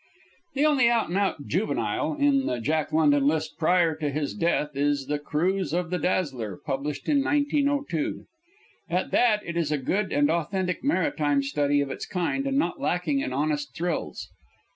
The only out and out "juvenile" in the Jack London list prior to his death is "The Cruise of the Dazzler," published in 1902. At that it is a good and authentic maritime study of its kind, and not lacking in honest thrills.